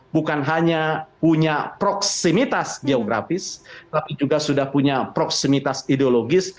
bukan hanya punya proksimitas geografis tapi juga sudah punya proksimitas ideologis